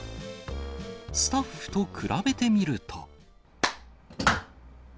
スタッフと比べてみると。